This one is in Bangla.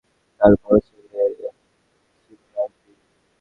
তাদের মধ্যে তিনজন ছিল ছোট, আর বড়ছেলে ছিল রাজবীর।